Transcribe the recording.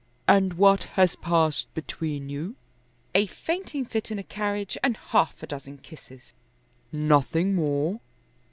"And what has passed between you?" "A fainting fit in a carriage and half a dozen kisses." "Nothing more?"